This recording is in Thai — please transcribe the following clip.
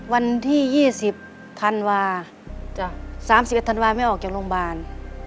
วันที่ยี่สิบธันวาส์จ้ะสามสิบอันธันวาส์ไม่ออกจากโรงพยาบาล